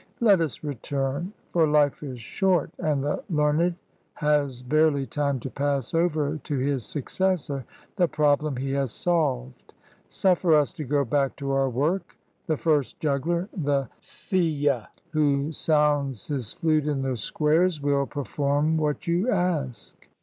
Let us return ; for life is short, and the learned has barely time to pass over to his successor the problem he has solved ; suffer us to go back to our work : the first juggler, the psylle'^ who sounds his flute in the squares, will perform what you ask."